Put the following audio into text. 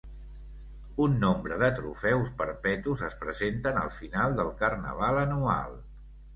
Un nombre de trofeus perpetus es presenten al final del Carnaval anual.